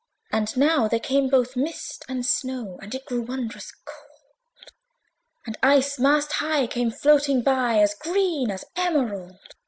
And now there came both mist and snow, And it grew wondrous cold: And ice, mast high, came floating by, As green as emerald.